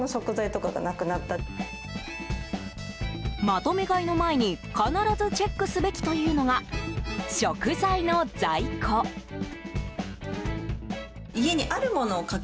まとめ買いの前に必ずチェックすべきというのが食材の在庫確認。